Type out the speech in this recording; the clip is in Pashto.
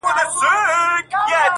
چي پر قام دي خوب راغلی په منتر دی--!